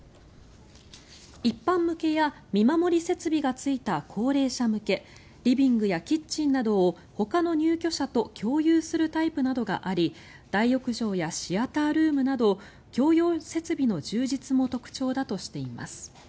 一般向けや見守り設備がついた高齢者向けリビングやキッチンなどをほかの入居者と共有するタイプなどがあり大浴場やシアタールームなど共用設備の充実も特徴だとしています。